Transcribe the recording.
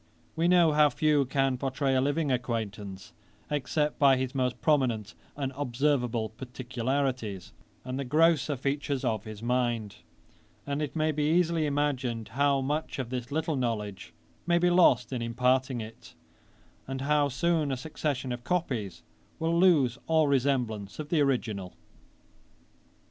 We know how few can pourtray a living acquaintance, except by his most prominent and observable particularities, and the grosser features of his mind; and it may be easily imagined how much of this little knowledge may be lost in imparting it, and how soon a succession of copies will lose all resemblance of the original.'